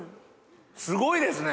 すごいですね！